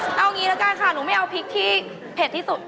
เอางี้ละกันค่ะหนูไม่เอาพริกที่เผ็ดที่สุด